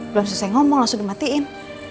belum selesai ngomong langsung dimatiin